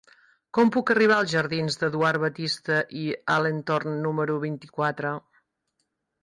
Com puc arribar als jardins d'Eduard Batiste i Alentorn número vint-i-quatre?